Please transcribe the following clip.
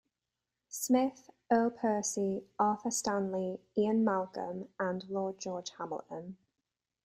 Smith, Earl Percy, Arthur Stanley, Ian Malcolm and Lord George Hamilton.